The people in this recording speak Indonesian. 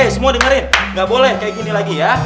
semua dengerin gak boleh kayak gini lagi ya